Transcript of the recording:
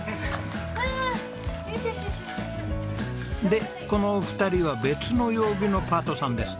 でこのお二人は別の曜日のパートさんです。